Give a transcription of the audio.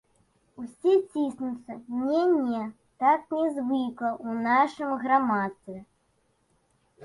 Усе ціснуцца, не, не, так не звыкла ў нашым грамадстве.